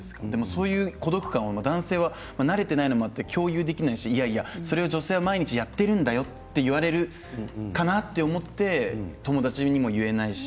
そういう孤独感は男性は慣れていないこともあって共有できないしいやいやそれも女性は毎日やってるんだよと言われるかなと思って友達にも言えないし